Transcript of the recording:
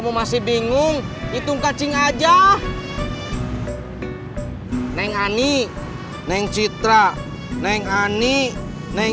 masuk kayak nggak keren juga kok